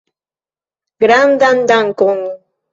Grandan dankon!